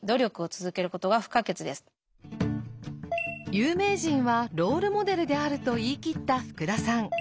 有名人はロールモデルであると言い切った福田さん。